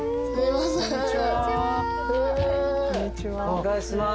お願いします